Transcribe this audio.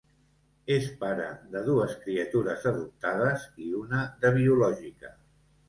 És pare de dues criatures adoptades i una de biològica.